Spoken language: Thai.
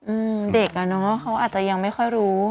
อืมเด็กอ่ะเนอะเขาอาจจะยังไม่ค่อยรู้